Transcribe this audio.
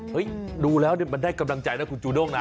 เห้ยดูแล้วมันได้กำลังใจคุณจูนล่งนะ